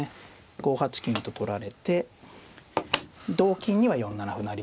５八金と取られて同金には４七歩成です